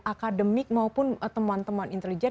akademik maupun temuan temuan intelijen